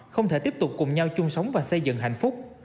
không thể tiếp tục cùng nhau chung sống và xây dựng hạnh phúc